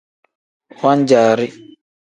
Wan-jaari.